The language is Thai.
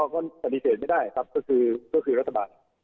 ก็ปฏิเสธไม่ได้ครับก็คือรัฐบาล